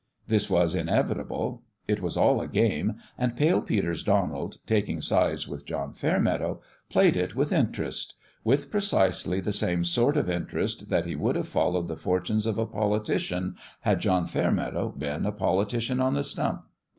This was inevitable : it was all a game, and Pale Peter's Donald, taking sides with John Fair meadow, played it with interest with precisely the same sort of interest that he would have fol lowed the fortunes of a politician had John Fair meadow been a politician on the stump.